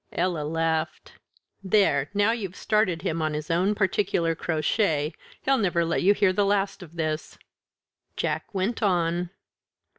Ella laughed. "There! now you've started him on his own particular crotchet; he'll never let you hear the last of this." Jack went on.